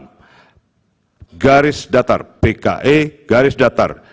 pke garis datar dkpp garis datar